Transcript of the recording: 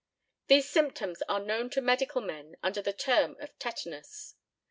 These symptoms are known to medical men under the term of tetanus.